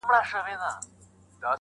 پر زړه دي پاته څو خبري له پخوا ښکاري